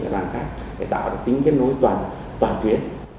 đoạn khác để tạo tính nối toàn tuyến